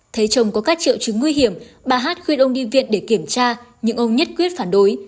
thấy chồng có các triệu chứng nguy hiểm bà hát khuyên ông đi viện để kiểm tra nhưng ông nhất quyết phản đối